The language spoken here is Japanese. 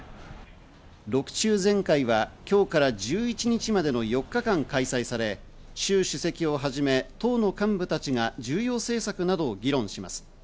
６中全会は今日から１１日までの４日間開催され、シュウ主席をはじめ、党の幹部たちが重要政策などを議論します。